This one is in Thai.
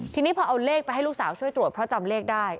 ทีนี้พอเอาเลขไปให้ลูกสาวช่วยตรวจเพราะจำเลขได้